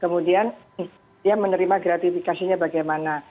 kemudian dia menerima gratifikasinya bagaimana